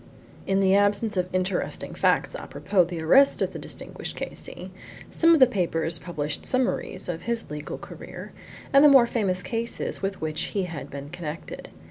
In the absence of interesting facts apropos of the arrest of the distinguished K.C., some of the papers published summaries of his legal career, and the more famous cases with which he had been connected.